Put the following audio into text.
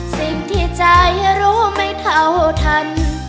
สิ่งที่ใจรู้ไม่เท่าทัน